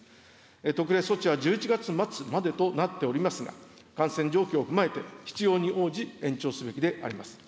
特例措置は１１月末までとなっていますが、感染状況を踏まえて、必要に応じ、延長すべきであります。